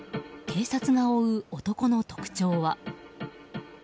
警察が追う男の特徴は。